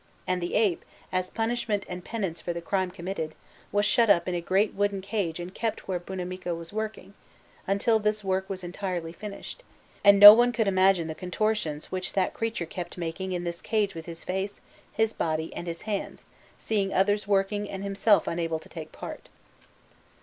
And the ape, as punishment and penance for the crime committed, was shut up in a great wooden cage and kept where Buonamico was working, until this work was entirely finished; and no one could imagine the contortions which that creature kept making in this cage with his face, his body, and his hands, seeing others working and himself unable to take part.